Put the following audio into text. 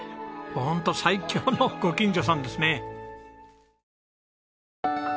ホント最強のご近所さんですね。